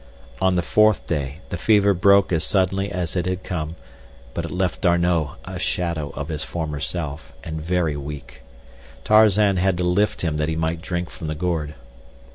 On the fourth day the fever broke as suddenly as it had come, but it left D'Arnot a shadow of his former self, and very weak. Tarzan had to lift him that he might drink from the gourd.